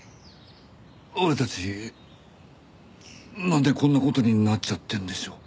俺たちなんでこんな事になっちゃってるんでしょう？